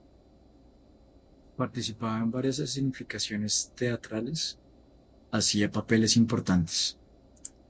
Participaba en varias escenificaciones teatrales, hacía papeles importantes.